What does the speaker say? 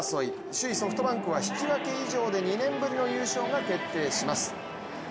首位・ソフトバンクは引き分け以上で２年ぶりの優勝が決定します。